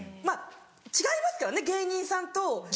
まぁ違いますからね芸人さんと。